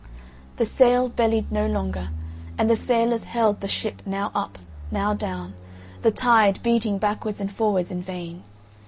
The sail bellied no longer, and the sailors held the ship now up, now down, the tide, beating backwards and forwards in vain.